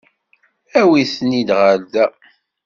Awi-ten-id ɣer da.